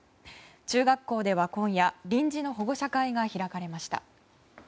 中学校では今夜、臨時の保護者会が開かれました。